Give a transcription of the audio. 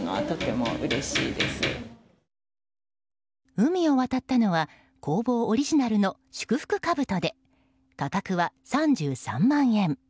海を渡ったのは工房オリジナルの祝福かぶとで価格は３３万円。